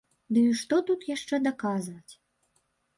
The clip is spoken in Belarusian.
Ды і што тут яшчэ даказваць?